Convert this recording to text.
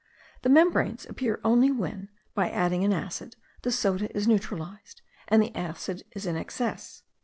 The membranes appear only when, by adding an acid, the soda is neutralized, and the acid is in excess.